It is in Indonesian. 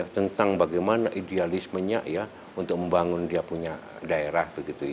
tentang bagaimana idealismenya untuk membangun dia punya daerah